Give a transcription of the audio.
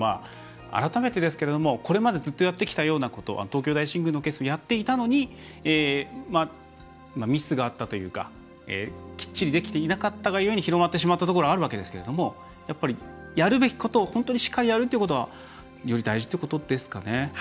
改めてですけれどもこれまで、ずっとやってきたようなこと東京大神宮のケースでもやっていたのにミスがあったというか、きっちりできていなかったがゆえに広がってしまったところがあるわけですけれどもやっぱり、やるべきことを本当にしっかりやるということがより大事っていうことですかね。